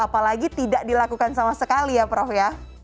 apalagi tidak dilakukan sama sekali ya prof ya